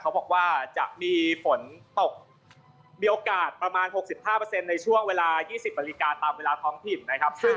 เขาบอกว่าจะมีฝนตกมีโอกาสประมาณ๖๕ในช่วงเวลา๒๐นาฬิกาตามเวลาท้องถิ่นนะครับ